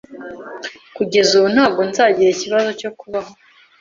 kugeza ubu, ntabwo nzagira ikibazo cyo kubaho.